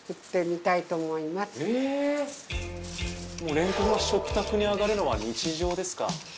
れんこんが食卓に上がるのは日常ですか？